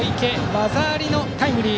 技ありのタイムリー。